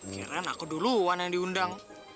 miren aku duluan yang diundang